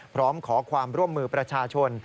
พร้อมขอความร่วมมือประชาชน